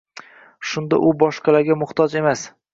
Shunda u boshqalarga muhtoj emas.